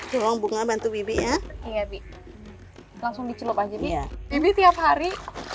tolong bunga bantu bibinya iya di langsung dicelup aja dia ini tiap hari